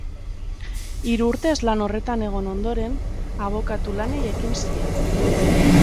Hiru urtez lan horretan egon ondoren, abokatu lanei ekin zien.